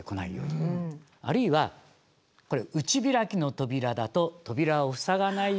あるいはこれ内開きの扉だと扉を塞がないように。